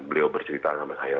beliau bercerita sama saya